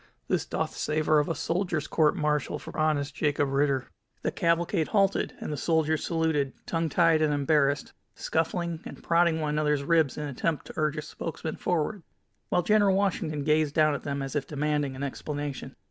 This doth savor of a soldier's court martial for honest Jacob Ritter." The cavalcade halted, and the soldiers saluted, tongue tied and embarrassed, scuffling, and prodding one another's ribs in an attempt to urge a spokesman forward, while General Washington gazed down at them as if demanding an explanation.